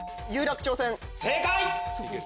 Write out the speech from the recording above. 正解！